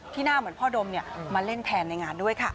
หน้าเหมือนพ่อดมมาเล่นแทนในงานด้วยค่ะ